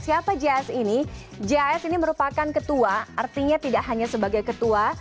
siapa jas ini jas ini merupakan ketua artinya tidak hanya sebagai ketua